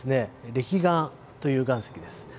れき岩という岩石です。